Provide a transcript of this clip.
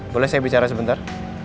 boleh saya bicara sebentar